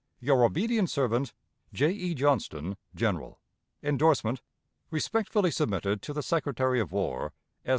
Your obedient servant, "J. E. Johnston, General. "[Endorsement.] "Respectfully submitted to the Secretary of War: "S.